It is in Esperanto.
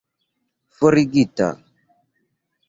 forigita